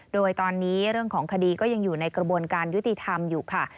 โดยตอนนี้เรื่องของคดีก็ยังอยู่ในกระบวนการยุติธรรมอยู่ค่ะ